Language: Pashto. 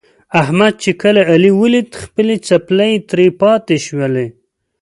احمد چې کله علي ولید خپلې څپلۍ ترې پاتې شولې.